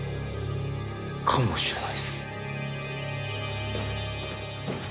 かもしれないっす。